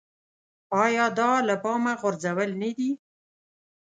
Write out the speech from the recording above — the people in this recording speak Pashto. ایا دا له پامه غورځول نه دي.